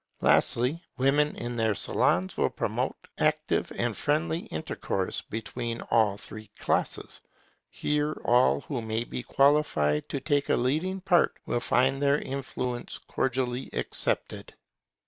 Lastly, women in their salons will promote active and friendly intercourse between all three classes; and here all who may be qualified to take a leading part will find their influence cordially accepted.